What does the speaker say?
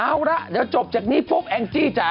เอาละเดี๋ยวจบจากนี้ปุ๊บแองจี้จ๋า